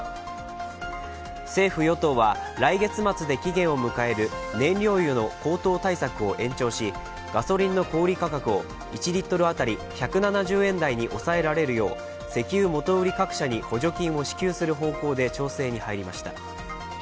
政府・与党は、来月末で期限を迎える燃料油の高騰対策を延長しガソリンの小売価格を１リットル当たり１７０円台に抑えられるよう石油元売り各社に補助金を支給する方向で調整に入りました。